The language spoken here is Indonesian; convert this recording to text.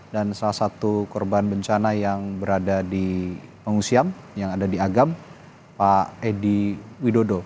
dan salah satu korban bencana yang berada di pengusiam yang ada di agam pak edi widodo